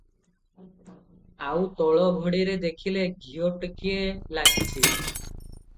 ଆଉତଳ ଘଡ଼ିରେ ଦେଖିଲେ ଘିଅ ଟିକିଏ ଲାଗିଚି ।